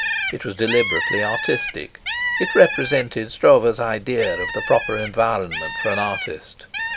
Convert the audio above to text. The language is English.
It was deliberately artistic. It represented Stroeve's idea of the proper environment for an artist.